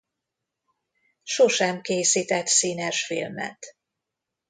Sosem készített színes filmet.